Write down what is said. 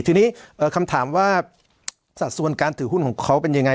ทีนี้คำถามว่าสัดส่วนการถือหุ้นของเขาเป็นยังไง